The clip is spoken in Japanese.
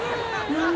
「うん？」